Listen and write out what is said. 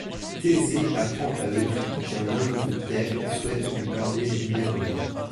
Thésée apprend à Œdipe qu'un homme de Thèbes souhaite lui parler brièvement.